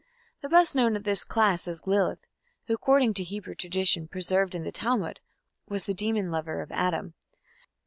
The best known of this class is Lilith, who, according to Hebrew tradition, preserved in the Talmud, was the demon lover of Adam.